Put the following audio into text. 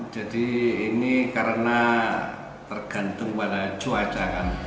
jadi ini karena tergantung pada cuaca